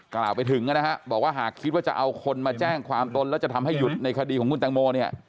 กล่าวไปถึงนะฮะบอกว่าหากคิดว่าจะเอาคนมาแจ้งความตนแล้วจะทำให้หยุดในคดีของคุณตังโมเนี่ย